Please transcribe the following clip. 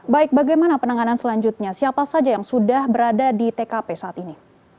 baik bagaimana penanganan selanjutnya siapa saja yang sudah berada di tkp saat ini